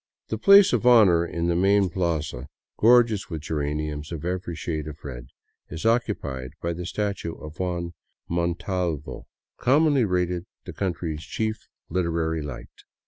The place of honor in the main plaza, gorgeous with geraniums of every shade of red, is occupied by the statue of Juan Montalvo, commonly rated the country's chief liter 171 VAGABONDING DOWN THE ANDES ary light.